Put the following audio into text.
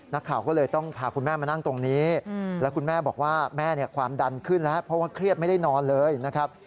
นักข่าวก็เลยต้องพาคุณแม่มานั่งตรงนี้แล้วคุณแม่บอกว่าแม่ความดันขึ้นแล้วเพราะว่าเครียดไม่ได้นอนเลยนะครับ